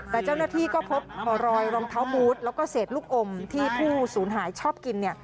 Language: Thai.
แต่เจ้าหน้าที่ก็พบรอยรองเท้าบูธแล้วก็เศษลูกอมที่ผู้สูญหายชอบกิน